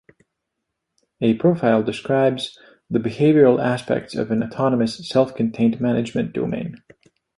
A profile describes the behavioral aspects of an autonomous, self-contained management domain.